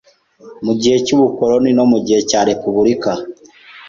Mu gihe cy’ubukoloni no mu gihe cya Repubulika